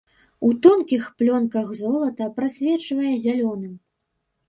У тонкіх плёнках золата прасвечвае зялёным.